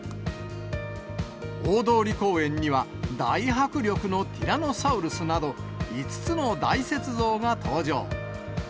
大通公園には、大迫力のティラノサウルスなど、５つの大雪像が登場。